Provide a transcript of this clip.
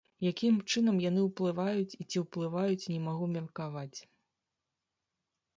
Якім чынам яны ўплываюць і ці ўплываюць, не магу меркаваць.